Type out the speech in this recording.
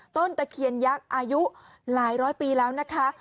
ตะเคียนยักษ์อายุหลายร้อยปีแล้วนะคะ